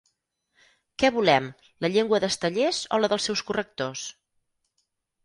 Què volem, la llengua d'Estellés o la dels seus correctors?